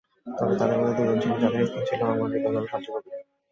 তবে তাদের মধ্যে দুজন ছিল, যাদের স্থান ছিল আমার হৃদয়গর্ভে সবচেয়ে গভীরে।